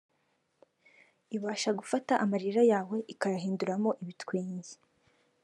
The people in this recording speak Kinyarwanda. ibasha gufata amarira yawe ikayahinduramo ibitwenge